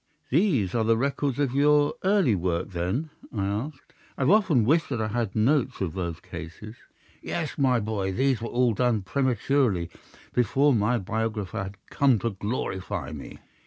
"These are the records of your early work, then?" I asked. "I have often wished that I had notes of those cases." "Yes, my boy, these were all done prematurely before my biographer had come to glorify me."